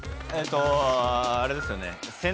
あれですよね？